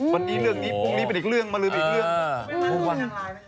วันนี้เรื่องนี้พรุ่งนี้เป็นอีกเรื่องมาลืมอีกเรื่องทุกวัน